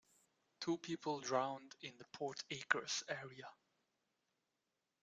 Two people drowned in the Port Acres area.